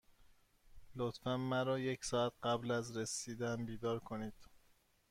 لطفا مرا یک ساعت قبل از رسیدن بیدار کنید.